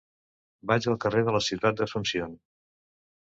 Vaig al carrer de la Ciutat d'Asunción.